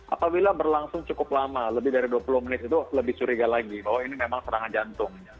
apabila berlangsung cukup lama lebih dari dua puluh menit itu lebih curiga lagi bahwa ini memang serangan jantung